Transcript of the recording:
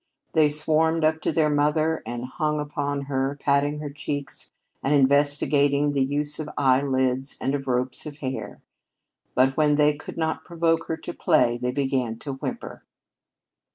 They swarmed up to their mother and hung upon her, patting her cheeks, and investigating the use of eyelids and of ropes of hair. But when they could not provoke her to play, they began to whimper.